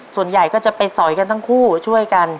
ส่วนใหญ่ก็จะไปสอยกันทั้งคู่ช่วยกัน